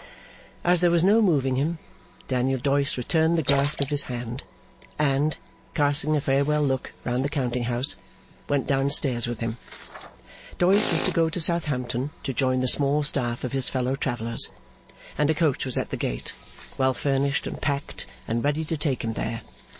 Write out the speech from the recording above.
As there was no moving him, Daniel Doyce returned the grasp of his hand, and, casting a farewell look round the counting house, went down stairs with him. Doyce was to go to Southampton to join the small staff of his fellow travellers; and a coach was at the gate, well furnished and packed, and ready to take him there.